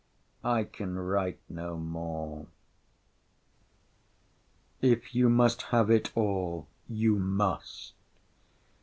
I can write no more! If you must have it all, you must!